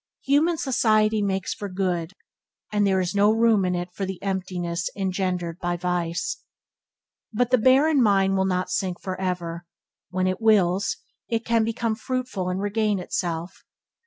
Human society makes for good, and there is no room in it for the emptiness engendered by vice. But the barren mind will not sink for ever. When it wills, it can become fruitful and regain itself.